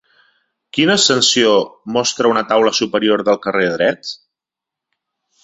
Quina ascensió mostra una taula superior del carrer dret?